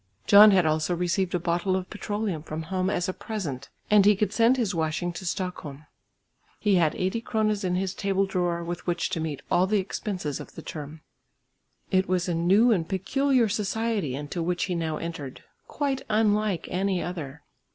John had also received a bottle of petroleum from home as a present, and he could send his washing to Stockholm. He had 80 kronas in his table drawer with which to meet all the expenses of the term. It was a new and peculiar society into which he now entered, quite unlike any other.